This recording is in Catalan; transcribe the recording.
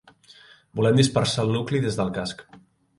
Volem dispersar el nucli des del casc.